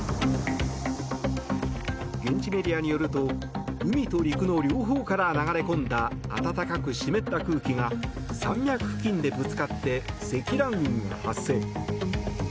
現地メディアによると海と陸の両方から流れ込んだ暖かく湿った空気が山脈付近でぶつかって積乱雲が発生。